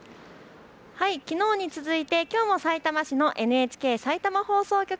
きのうに続いて、きょうもさいたま市のＮＨＫさいたま放送局